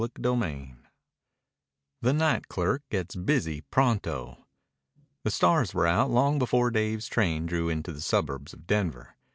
CHAPTER XI THE NIGHT CLERK GETS BUSY PRONTO The stars were out long before Dave's train drew into the suburbs of Denver.